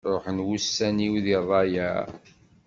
Ruḥen wussan-iw di rrayeε.